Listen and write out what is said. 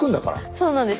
そうなんですよ。